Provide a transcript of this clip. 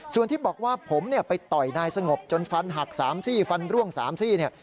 ส่วนที่บอกว่าผมไปต่อยนายสงบจนฟันหัก๓สี่ฟันร่วง๓สี่